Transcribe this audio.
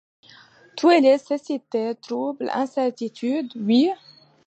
Tout est-il cécité, trouble ; incertitude ? Oui.